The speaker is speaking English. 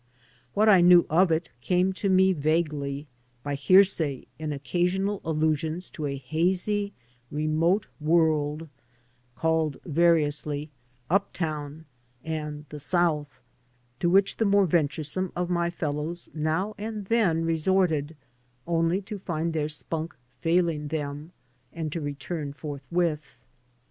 What I knew of it came to me vaguely by hearsay in occasional allusions to a hazy, remote world called variously "up town'* and the South," to which the more ventxiresome of my fellows now and then 89 AN AMERICAN IN THE MAKING resorted, only to find their spunk failing them and to return forthwith.